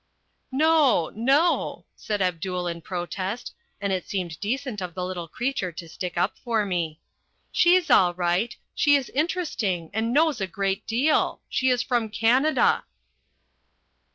"No, no," said Abdul in protest, and it seemed decent of the little creature to stick up for me. "She's all right, she is interesting and knows a great deal. She's from Canada!"